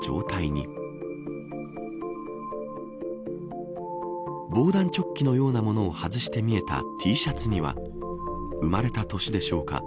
そして防弾チョッキのようなものを外して見えたＴシャツには生まれた年でしょうか。